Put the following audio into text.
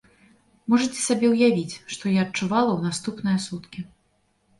Можаце сабе ўявіць, што я адчувала ў наступныя суткі.